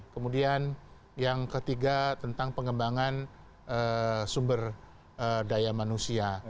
kemudian yang ketiga tentang pengembangan sumber daya manusia